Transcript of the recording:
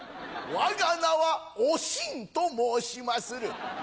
わが名はおしんと申しまする。